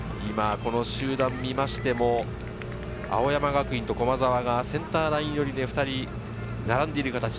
今この集団を見ましても、青山学院と駒澤がセンターライン寄りで２人、並んでいる形。